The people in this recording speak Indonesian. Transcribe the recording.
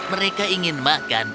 mereka ingin makan